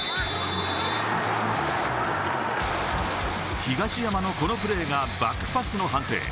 東山のこのプレーが、バックパスの判定。